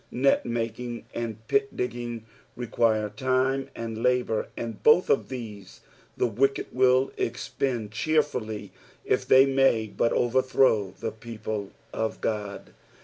Net making and pit digging require time and lAMur, and both of these the wicked wjll exiicnd cheerfully if they may but overthrow the people of Ood.